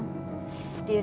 saran putus atau belum